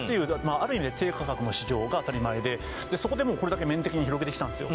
ある意味で低価格の市場が当たり前でそこでもうこれだけ面的に広げてきたんですよ